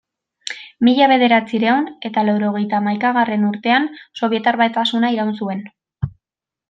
Mila bederatziehun eta laurogeita hamaikagarren urtean Sobietar Batasuna iraun zuen.